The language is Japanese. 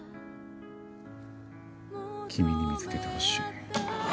君に見つけてほしい。